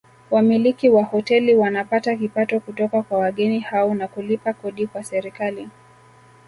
Wamiliki wa hoteli wanapata kipato kutoka kwa wageni hao na kulipa kodi kwa serikali